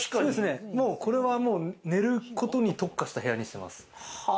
これは寝ることに特化した部屋にしています。